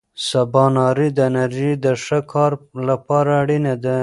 سباناري د انرژۍ د ښه کار لپاره اړینه ده.